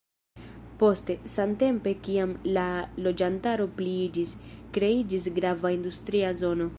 Poste, samtempe kiam la loĝantaro pliiĝis, kreiĝis grava industria zono.